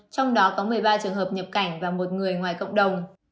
trong đó có một mươi ba trường hợp nhập cảnh và một người ngoài cộng đồng